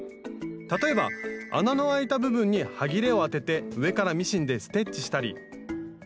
例えば穴のあいた部分にはぎれを当てて上からミシンでステッチしたり。